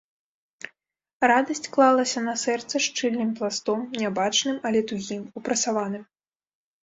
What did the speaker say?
Радасць клалася на сэрца шчыльным пластом, нябачным, але тугім, упрасаваным.